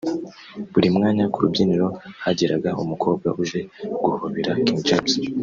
Buri mwanya ku rubyiniro hageraga umukobwa uje guhobera King James